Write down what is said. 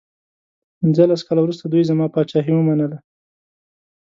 پنځلس کاله وروسته دوی زما پاچهي ومنله.